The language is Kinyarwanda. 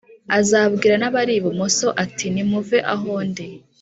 Azabwira n abari ibumoso ati Nimuve aho ndi